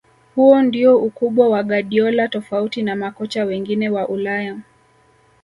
Huo ndio ukubwa wa guardiola tofauti na makocha wengine wa ulaya